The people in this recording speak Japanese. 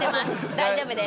大丈夫です。